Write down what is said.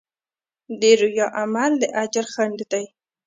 د ریا عمل د اجر خنډ دی.